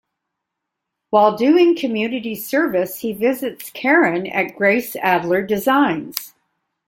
While doing community service he visits Karen at Grace Adler Designs.